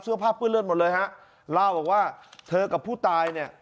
เสื้อผ้าเปื้อนเลือดหมดเลยฮะเล่าบอกว่าเธอกับผู้ตายเนี่ย